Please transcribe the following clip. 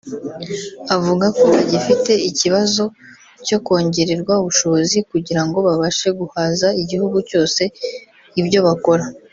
Avuga ko bagifite ikibazo cyo kongererwa ubushobozi kugira ngo babashe guhaza igihugu cyose ibyo bakora